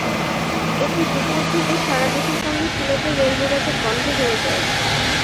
এতে দুপুর থেকে সারা দেশের সঙ্গে সিলেটের রেল যোগাযোগ বন্ধ হয়ে যায়।